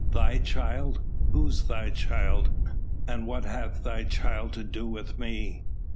"Thy child? who's thy child? And what hath thy child to do with me?"